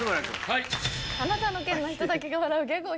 はい。